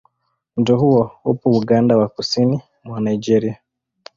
Mto huo upo ukanda wa kusini mwa Nigeria.